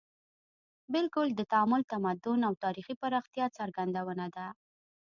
بلکې د تعامل، تمدن او تاریخي پراختیا څرګندونه ده